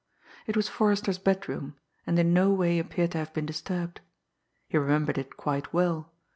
It was Forrester's bedroom, and in no way appeared to have been disturbed. He remembered it quite well.